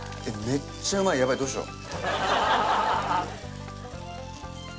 めっちゃうまいやばいどうしよう